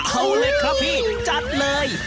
เอาเลยครับพี่จัดเลย